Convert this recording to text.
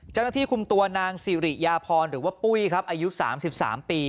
เจ้าหน้าที่คุมตัวนางสิริยาพรหรือว่าปุ้ยครับอายุ๓๓ปี